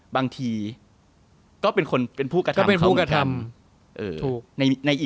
บางทีก็เป็นผู้กระทำเขา